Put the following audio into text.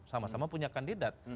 sama sama punya kandidat